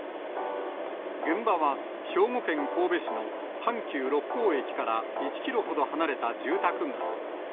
現場は、兵庫県神戸市の阪急六甲駅から１キロほど離れた住宅街。